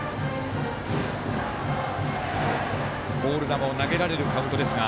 ボール球を投げられるカウントですが。